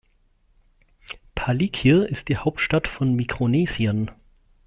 Palikir ist die Hauptstadt von Mikronesien.